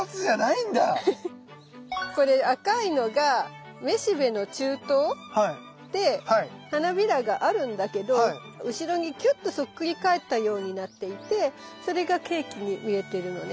これ赤いのがめしべの柱頭で花びらがあるんだけど後ろにキュッとそっくり返ったようになっていてそれがケーキに見えてるのね。